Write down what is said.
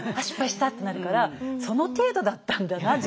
失敗したってなるからその程度だったんだな